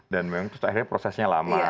dan memang itu akhirnya prosesnya lama